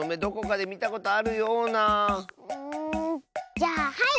じゃあはい！